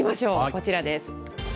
こちらです。